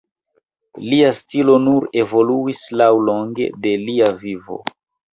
Lia stilo nur evoluis laŭlonge de lia vivo.